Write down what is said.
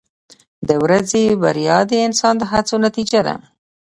• د ورځې بریا د انسان د هڅو نتیجه ده.